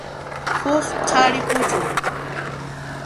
Huk qhari puchun.